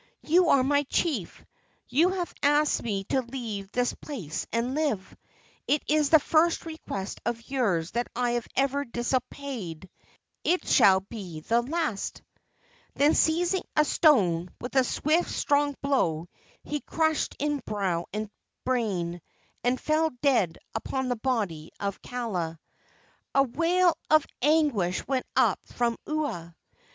You are my chief. You have asked me to leave this place and live. It is the first request of yours that I have ever disobeyed. It shall be the last!" Then seizing a stone, with a swift, strong blow he crushed in brow and brain, and fell dead upon the body of Kaala. A wail of anguish went up from Ua.